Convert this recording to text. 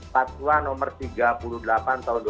fatwa nomor tiga puluh delapan tahun dua ribu dua